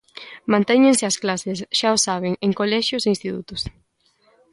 Mantéñense as clases, xa o saben, en colexios e institutos.